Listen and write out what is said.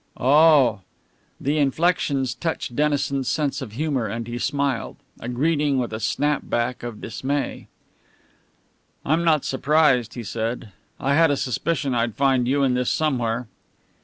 Oh!" The inflections touched Dennison's sense of humour, and he smiled. A greeting with a snap back of dismay. "I'm not surprised," he said. "I had a suspicion I'd find you in this somewhere."